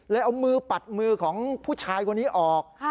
เอามือปัดมือของผู้ชายคนนี้ออก